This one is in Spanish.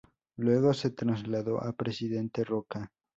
Luego se trasladó a Presidente Roca.